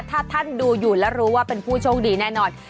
ถ้าท่านดูอยู่แล้วรู้ว่าเป็นผู้โชคดีแน่นอน